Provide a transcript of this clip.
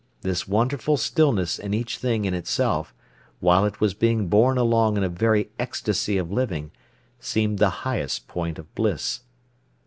This wonderful stillness in each thing in itself, while it was being borne along in a very ecstasy of living, seemed the highest point of bliss.